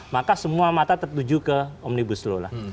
maka semua mata tertuju ke omnibus law lah